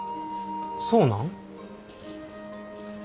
そうなん？